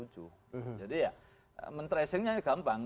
jadi ya men tracingnya gampang